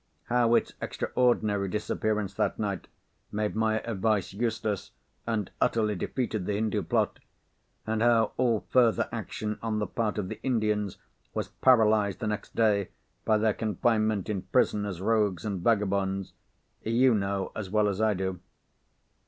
How its extraordinary disappearance that night, made my advice useless, and utterly defeated the Hindoo plot—and how all further action on the part of the Indians was paralysed the next day by their confinement in prison as rogues and vagabonds—you know as well as I do.